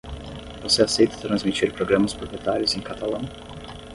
Você aceita transmitir programas proprietários em catalão?